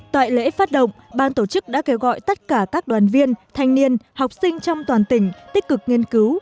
tại lễ phát động ban tổ chức đã kêu gọi tất cả các đoàn viên thanh niên học sinh trong toàn tỉnh tích cực nghiên cứu